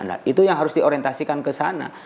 nah itu yang harus diorientasikan ke sana